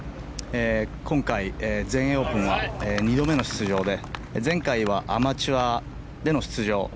今回、全英オープンは２度目の出場で前回はアマチュアでの出場。